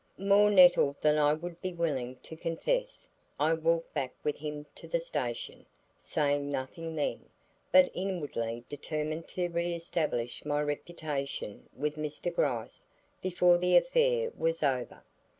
More nettled than I would be willing to confess, I walked back with him to the station, saying nothing then, but inwardly determined to reestablish my reputation with Mr. Gryce before the affair was over.